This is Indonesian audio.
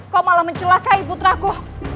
kau malah mencelakai putraku